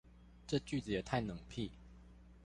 這句子也太冷僻